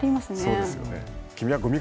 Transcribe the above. そうですよね。